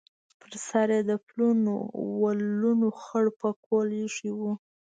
پر سر یې د پلنو ولونو خړ پکول ایښی و.